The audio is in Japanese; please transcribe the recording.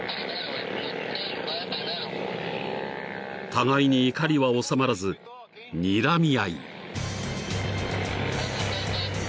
［互いに怒りはおさまらずにらみ合い］